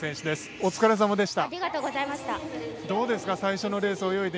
お疲れさまでした。